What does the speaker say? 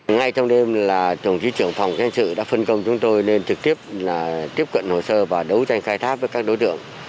ngay trong đêm là trưởng trí trưởng phòng trang sự đã phân công chúng tôi nên trực tiếp tiếp cận hồ sơ và đấu tranh khai tháp với các đối tượng